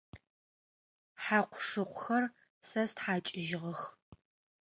Хьакъу-шыкъухэр сэ стхьакӏыжьыгъэх.